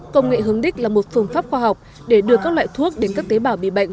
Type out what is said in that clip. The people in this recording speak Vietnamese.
công nghệ hướng đích là một phương pháp khoa học để đưa các loại thuốc đến các tế bào bị bệnh